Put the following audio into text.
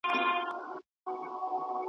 چي مي پل پکښي زده کړی چي مي ایښی پکښي ګام دی ,